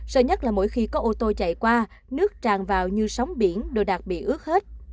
sợ nhất là mỗi khi có ô tô chạy qua nước tràn vào như sóng biển đồ đạc bị ướt hết